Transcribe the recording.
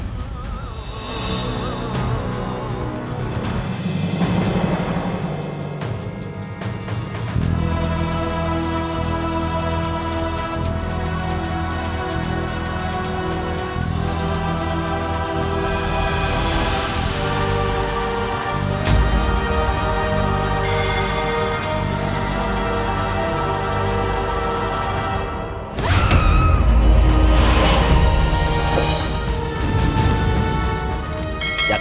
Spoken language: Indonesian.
saya memberitahu orang lain